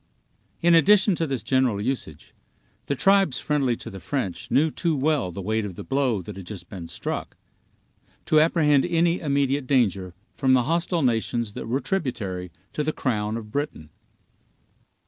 In addition to this general usage, the tribes friendly to the French knew too well the weight of the blow that had just been struck, to apprehend any immediate danger from the hostile nations that were tributary to the crown of Britain.